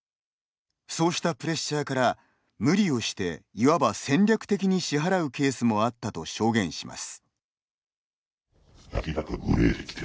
そうしたプレッシャーから無理をしていわば戦略的に支払うケースもあったと証言します。